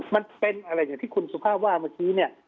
มันเป็นอะไรอย่างที่คุณสุภาพว่าเมื่อกี้เนี่ย